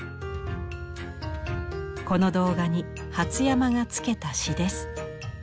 この童画に初山がつけた詩です。